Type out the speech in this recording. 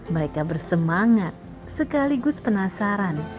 mereka bersemangat sekaligus penasaran